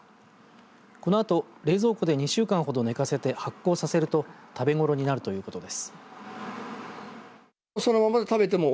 このあと冷蔵庫で２週間ほど寝かせて発酵させると食べ頃になるということです。